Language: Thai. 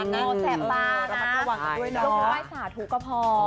ต้องไหว้สาธุก็พอ